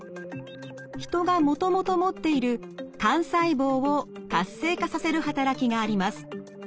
ヒトがもともと持っている幹細胞を活性化させる働きがあります。